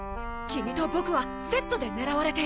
君と僕はセットで狙われている。